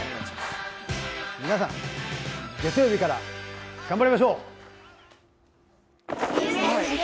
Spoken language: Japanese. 皆さん、月曜日から頑張りましょう！